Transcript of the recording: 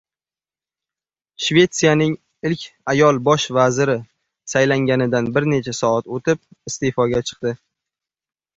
Shvetsiyaning ilk ayol Bosh vaziri saylanganidan bir necha soat o‘tib, iste’foga chiqdi